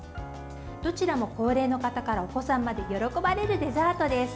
どちらも高齢の方からお子さんまで喜ばれるデザートです。